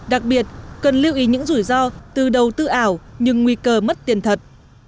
đặc biệt cần lưu ý những rủi ro từ đầu tư ảo nhưng nguy cơ mất tiền thật